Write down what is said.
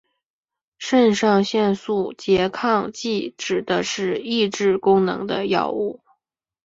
肾上腺素拮抗剂指的是抑制功能的药物。